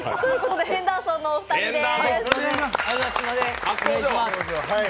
ヘンダーソンのお二人です。